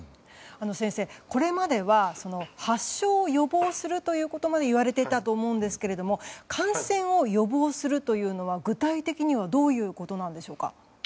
先生、これまでは発症を予防するということがいわれていたと思うんですけれども感染を予防するというのは具体的にはどういうことなんでしょうか？